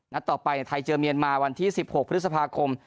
ต่อไปไทยเจอเมียนมาวันที่๑๖พฤษภาคม